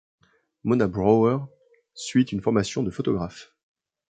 Mona Bräuer suit une formation de photographe.